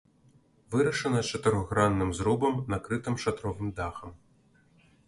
Вырашана чатырохгранным зрубам, накрытым шатровым дахам.